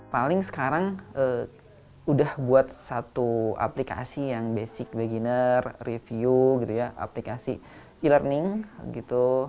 paling sekarang udah buat satu aplikasi yang basic beginner review gitu ya aplikasi e learning gitu